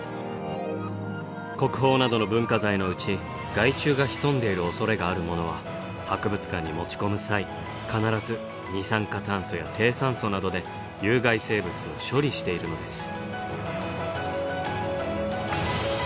国宝などの文化財のうち害虫が潜んでいるおそれがあるものは博物館に持ち込む際必ず二酸化炭素や低酸素などで有害生物を処理しているのです。